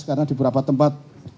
karena di beberapa tempat